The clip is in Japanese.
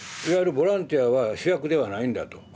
いわゆるボランティアは主役ではないんだと。